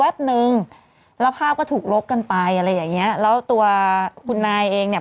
นึงแล้วภาพก็ถูกลบกันไปอะไรอย่างเงี้ยแล้วตัวคุณนายเองเนี่ย